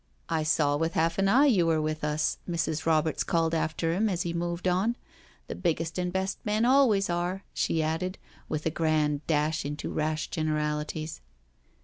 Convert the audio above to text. '*" I saw with half an eye you were with us," Mrs. Roberts called after him as he moved on; " the biggest and best men always are," she added, with a grand dash into rash generalities.